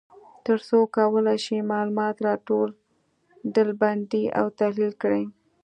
تر څو وکولای شي معلومات را ټول، ډلبندي او تحلیل کړي.